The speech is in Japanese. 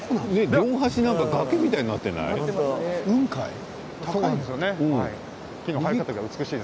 両端、崖みたいになっていない？